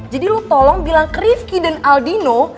jadi lo tolong bilang ke rifki dan aldino